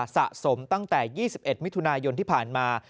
สะสมตั้งแต่๒๑มิถุนายนที่ผ่านมา